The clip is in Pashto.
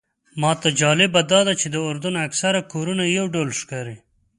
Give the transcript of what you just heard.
ماته جالبه داده چې د اردن اکثر کورونه یو ډول ښکاري.